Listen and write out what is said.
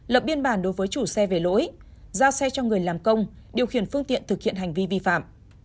lập biên bản đối với chủ xe về lỗi giao xe cho người làm công điều khiển phương tiện thực hiện hành vi vi phạm